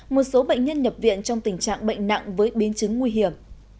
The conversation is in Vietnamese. một số bệnh nhân nhập viện trong tình trạng bệnh nặng với biến chứng nguy hiểm